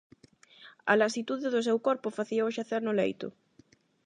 A lasitude do seu corpo facíao xacer no leito.